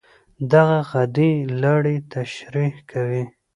دغه غدې لاړې ترشح کوي.